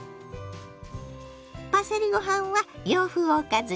パセリご飯は洋風おかずにピッタリ。